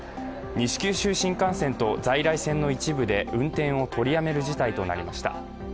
西九州新幹線と在来線の一部で運転を取りやめる事態となりました。